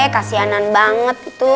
kasianan banget itu